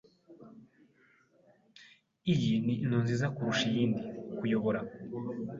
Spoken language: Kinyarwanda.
Iyi ni inzu nziza kuruta iyindi. (_kuyobora)